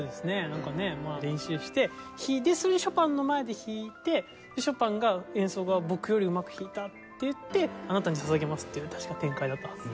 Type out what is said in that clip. なんかねまあ練習して弾いてそれでショパンの前で弾いてショパンが「演奏が僕よりうまく弾いた」って言ってあなたに捧げますっていう確か展開だったはず。